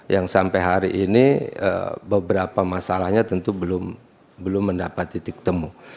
yang sampai hari ini beberapa masalahnya tentu belum mendapat titik temu